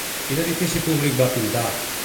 Quin edifici públic va pintar?